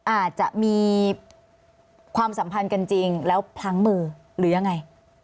อาจจะมีความสัมพันธ์กันจริงแล้วพลั้งมือหรือยังไง